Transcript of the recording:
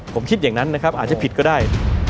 ผมคิดอย่างนั้นอาจจะผิดก็ได้